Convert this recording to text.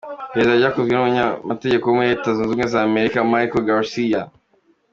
Iperereza ryakozwe n'umunyamategeko wo muri Leta Zunze Ubumwe za Amerika, Michael Garcia.